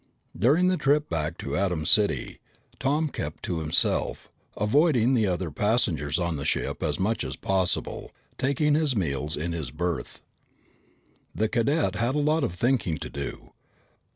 During the trip back to Atom City, Tom kept to himself, avoiding the other passengers on the ship as much as possible, taking his meals in his berth. The cadet had a lot of thinking to do.